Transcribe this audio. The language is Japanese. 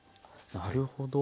なるほど。